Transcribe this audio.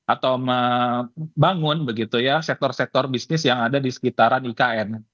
atau membangun begitu ya sektor sektor bisnis yang ada di sekitaran ikn